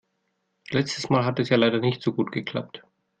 Letztes Mal hat es ja leider nicht so gut geklappt.